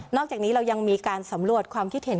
อกจากนี้เรายังมีการสำรวจความคิดเห็น